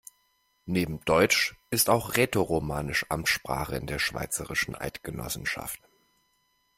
Neben Deutsch ist auch Rätoromanisch Amtssprache in der Schweizerischen Eidgenossenschaft.